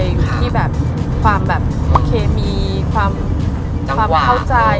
อยู่ที่แบบความแบบเคมีความเข้าใจนังวาก